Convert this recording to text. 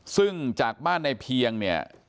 ซึ่งจากบ้านในเพียงเนี่ย